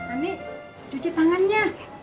ani cuci tangannya